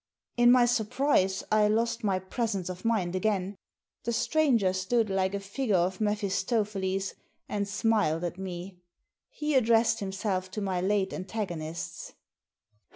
In my surprise I lost my presence of mind again. The stranger stood like a figure of Mephistopheles, and smiled at me. He addressed himself to my late antagonists.